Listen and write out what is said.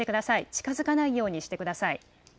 近づかないようにしてください。